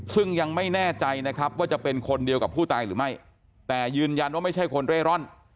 ซึ่งยังไม่แน่ใจนะครับว่าจะเป็นคนเดียวกับผู้ตายหรือไม่แต่ยืนยันว่าไม่ใช่คนเร่ร่อน